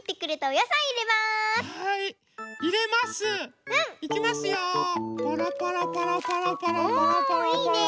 おいいね。